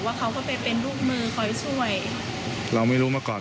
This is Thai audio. คือเขาก็ไม่เคยบินตรวจสุขภาพ